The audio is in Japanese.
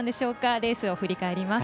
レースを振り返ります。